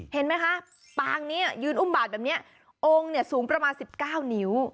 เห็นไหมคะปางนี้ยืนอุ้มบาดแบบนี้องค์เนี่ยสูงประมาณ๑๙นิ้ว